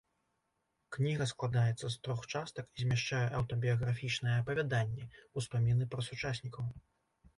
Кніга складаецца з трох частак і змяшчае аўтабіяграфічныя апавяданні, успаміны пра сучаснікаў.